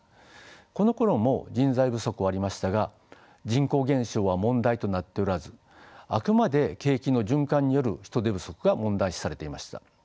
このころも人材不足はありましたが人口減少は問題となっておらずあくまで景気の循環による人手不足が問題視されていました。